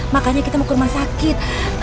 makanya kita mau ke rumah sakit